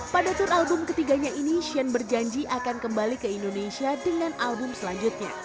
pada tour album ketiganya ini shane berjanji akan kembali ke indonesia dengan album selanjutnya